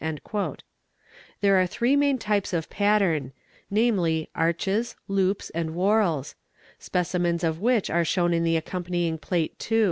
'' There ve three main types of pattern, namely, "arches," "loops," and "whorls,"' ecimens of which are shown in the accompanying Plate II.